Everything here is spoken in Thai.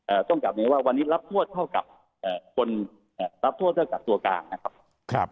ต้องกลับเรียนว่าวันนี้รับโทษเท่ากับเอ่อคนเอ่อรับโทษเท่ากับตัวกลางนะครับครับ